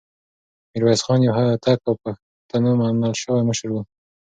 ميرويس خان يو هوتک او د پښتنو منل شوی مشر و.